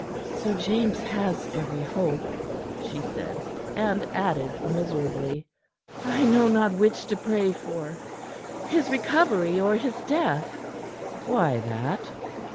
"Sir James has every hope," she said, and added miserably: "I know not which to pray for, his recovery or his death." "Why that?"